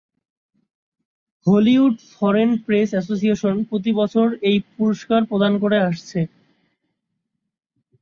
Hollywood foreign press association প্রতি বছর এই পুরস্কার প্রদান করে আসছে।